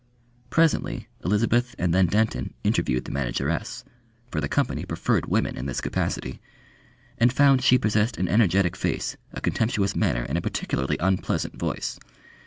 Presently Elizabeth and then Denton interviewed the manageress for the Company preferred women in this capacity and found she possessed an energetic face, a contemptuous manner, and a particularly unpleasant voice.